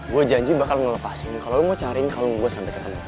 gue janji bakal ngelepasin kalo lo mau cariin kalung gue sampe ketemu